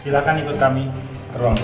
silakan ikut kami ke ruang ke dua